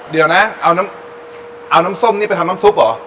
เดี๋ยวนะเอาน้ำซมนี่ไปทำน้ำซุปหรอ